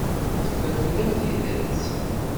Teffer fell-am tidet.